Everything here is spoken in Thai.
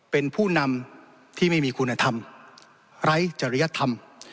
เป็นผู้นำที่ไม่มีคุณธรรมไร้จริยธรรม